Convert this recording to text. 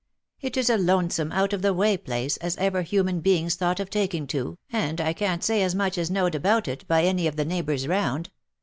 It is a lonesome out of the way place as ever human beings thought of taking to, and I can't say as much is knowed about it by any of the neighbours round.